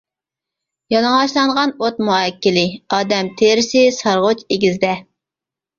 يالىڭاچلانغان ئوت مۇئەككىلى، ئادەم تېرىسى سارغۇچ، ئېگىزدە.